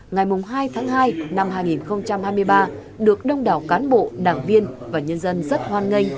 ngày hai tháng hai năm hai nghìn hai mươi ba được đông đảo cán bộ đảng viên và nhân dân rất hoan nghênh